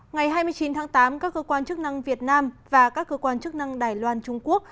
ngày hai mươi chín tháng tám các cơ quan chức năng việt nam và các cơ quan chức năng đài loan trung quốc